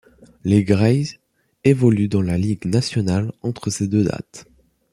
Les Grays évoluent dans la Ligue nationale entre ces deux dates.